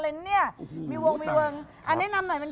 แล้วมันจะไม่ตายได้ไงชีวิตตัวเองละกัน